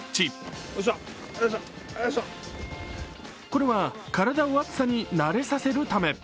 これは体を暑さに慣れさせるため。